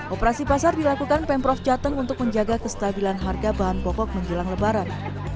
operasi pasar dilakukan pemprov jateng untuk menjaga kestabilan harga bahan pokok menjelang lebaran